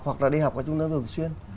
học ở trung tâm thường xuyên